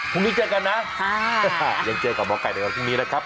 พรุ่งนี้เจอกันนะยังเจอกับหมอไก่ในวันพรุ่งนี้นะครับ